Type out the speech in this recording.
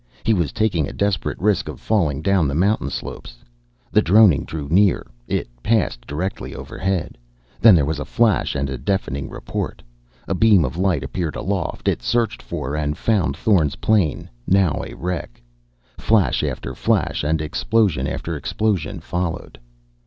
He was taking a desperate risk of falling down the mountain slopes. The droning drew near. It passed directly overhead. Then there was a flash and a deafening report. A beam of light appeared aloft. It searched for and found Thorn's plane, now a wreck. Flash after flash and explosion after explosion followed....